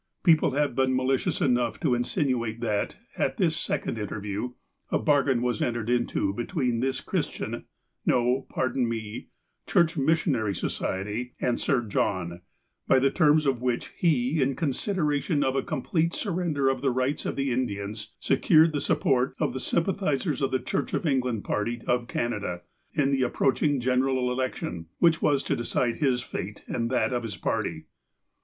People have been malicious enough to insinuate that, at this second interview, a bargain was entered into be tween this Chi'istian — no, pardon me — Church Missionary Society, and Sir John, by the terms of which he, in con sideration of a complete surrender of the rights of the Indians, secured the support of the sympathizers of the Church of England party of Canada, in the approaching general election, which was to decide his fate, and that of his party.